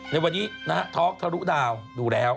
ในวันนี้นะฮะท็อกทะลุดาวดูแล้ว